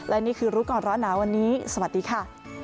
และนี่คือรู้ก่อนร้อนหนาวันนี้สวัสดีค่ะ